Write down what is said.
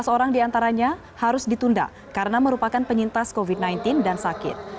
tiga belas orang diantaranya harus ditunda karena merupakan penyintas covid sembilan belas dan sakit